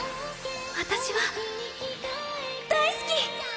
私は大好き！